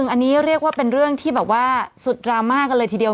อันนี้เรียกว่าเป็นเรื่องที่แบบว่าสุดดราม่ากันเลยทีเดียว